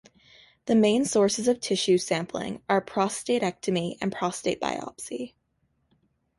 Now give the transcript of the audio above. The main sources of tissue sampling are prostatectomy and prostate biopsy.